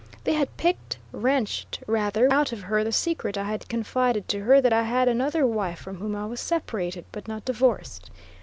They had picked, wrenched rather, out of her the secret I had confided to her that I had another wife from whom I was "separated," but not divorced.